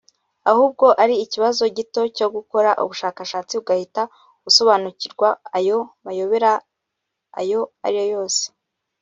ahubwo ari ikibazo gito cyo gukora ubushakashatsi ugahita usobanukirwa ayo mayobera ayo ari yo yose